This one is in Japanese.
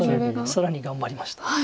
更に頑張りました。